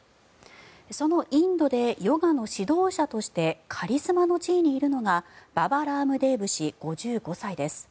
そのインドでヨガの指導者としてカリスマの地位にいるのがババ・ラームデーブ氏５５歳です。